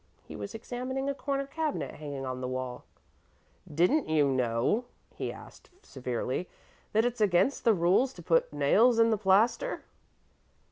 He was examining a corner cabinet hanging on the wall. "Didn't you know," he asked severely, "that it's against the rules to put nails in the plaster?"